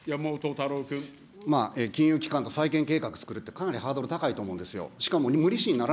まあ、金融機関と再建計画をつくるってかなりハードル高いと思うんですよ。